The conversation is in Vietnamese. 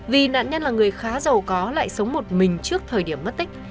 vì nạn nhân là người khá giàu có lại sống một mình trước thời điểm mất tích